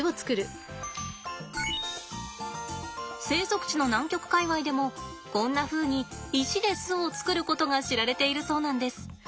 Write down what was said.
生息地の南極界わいでもこんなふうに石で巣を作ることが知られているそうなんです。